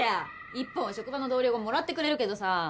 １本は職場の同僚がもらってくれるけどさ。